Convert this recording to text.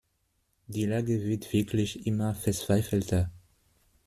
Die Lage wird wirklich immer verzweifelter!